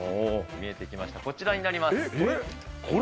見えてきました、こちらになこれ？